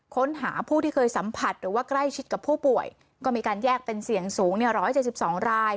ค้นหาผู้ที่เคยสัมผัสหรือว่าใกล้ชิดกับผู้ป่วยก็มีการแยกเป็นเสี่ยงสูงเนี้ยร้อยเจ็บสิบสองราย